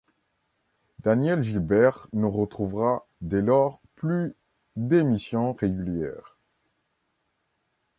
Danièle Gilbert ne retrouvera dès lors plus d'émission régulière.